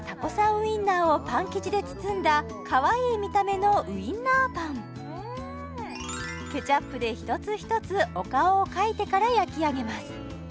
ウインナーをパン生地で包んだかわいい見た目のウインナーパンケチャップで一つ一つお顔を描いてから焼き上げます